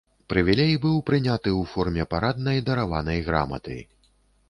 Прывілей быў прыняты ў форме параднай дараванай граматы.